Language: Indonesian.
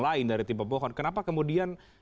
lain dari tipe pohon kenapa kemudian